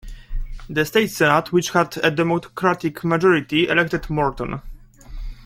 The state senate, which had a Democratic majority, elected Morton.